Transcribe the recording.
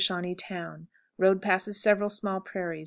Shawnee Town. Road passes several small prairies.